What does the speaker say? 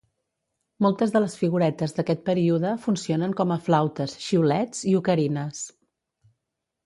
Moltes de les figuretes d'aquest període funcionen com a flautes, xiulets i ocarines.